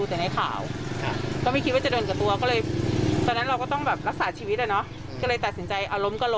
ถ้าสมมติว่าถ้าพี่มาเร็วเนี่ยโดน